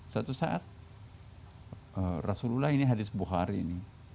satu saat rasulullah ini hadis bukhari ini